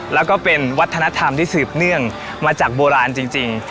แล้วก็เป็นวัฒนธรรมที่สืบเนื่องมาจากโบราณจริง